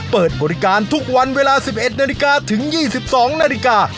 เปิดบริการทุกวันเวลาสิบเอ็ดนาฬิกาถึงยี่สิบสองนาฬิกา